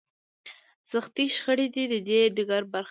سختې شخړې د دې ډګر برخه دي.